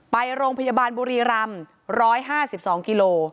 ไปโรงพยาบาลบุรีรำ๑๕๒กิโล